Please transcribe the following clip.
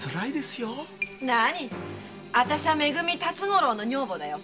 なにあたしは「め組」の辰五郎の女房だよ。